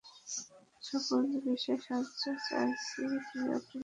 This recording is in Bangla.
শপথ বিষয়ে সাহায্য চাইছি পরিয়ড নিয়ে না।